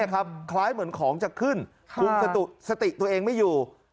คล้ายเหมือนของจะขึ้นคุมสติตัวเองไม่อยู่